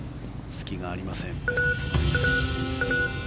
隙がありません。